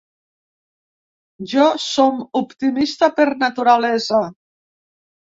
Jo som optimista per naturalesa.